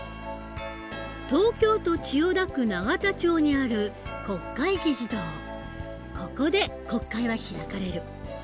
東京都千代田区永田町にあるここで国会は開かれる。